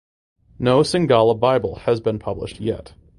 No Tshangla Bible has been published yet.